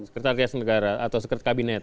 sekretariat negara atau sekretari kabinet